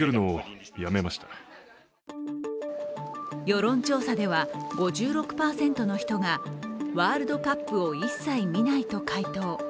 世論調査では５６％の人がワールドカップを一切見ないと回答。